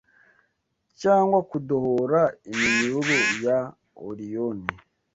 Cyangwa kudohora iminyururu ya Oriyoni?